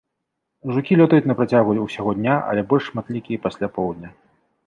Жукі лётаюць на працягу ўсяго дня, але больш шматлікія пасля поўдня.